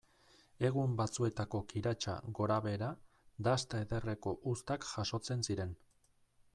Egun batzuetako kiratsa gorabehera, dasta ederreko uztak jasotzen ziren.